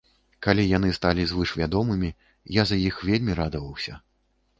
Калі яны сталі звышвядомымі, я за іх вельмі радаваўся.